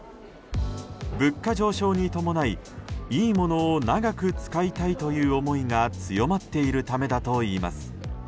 物価上昇に伴いいいものを長く使いたいという思いが強まっているためだといます。